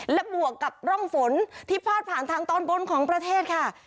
และบวกกับร่องฝนที่พาดผ่านทางตอนบนของประเทศค่ะ